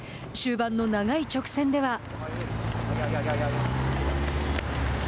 終盤の長い直線では。